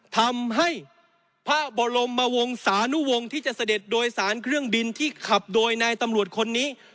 ทำให้พระบรมวงศานุวงศ์ที่จะเสด็จโดยสารเครื่องบินที่ขับโดยนายตำรวจคนนี้